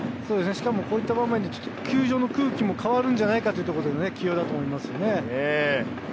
しかもこういった場面で球場の空気も変わるんじゃないかというところでの起用だと思いますね。